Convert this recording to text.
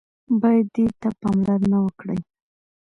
بايد دې ته پاملرنه وکړي.